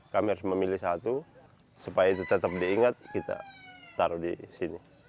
kami harus memilih satu supaya itu tetap diingat kita taruh di sini